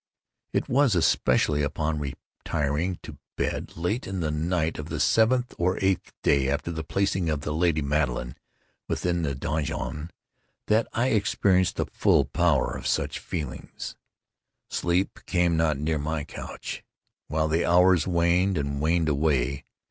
It was, especially, upon retiring to bed late in the night of the seventh or eighth day after the placing of the lady Madeline within the donjon, that I experienced the full power of such feelings. Sleep came not near my couch—while the hours waned and waned away.